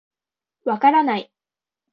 分からない。